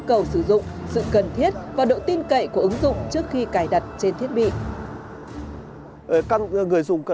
nhu cầu sử dụng sự cần thiết và độ tin cậy của ứng dụng trước khi cài đặt trên thiết bị